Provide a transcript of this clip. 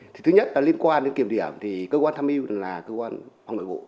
thứ nhất là liên quan đến kiểm điểm thì cơ quan thăm yêu là cơ quan phòng nội vụ